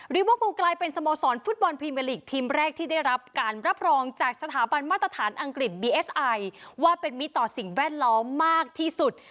เวอร์กูลกลายเป็นสโมสรฟุตบอลพรีเมอร์ลีกทีมแรกที่ได้รับการรับรองจากสถาบันมาตรฐานอังกฤษบีเอสไอว่าเป็นมิตรต่อสิ่งแวดล้อมมากที่สุด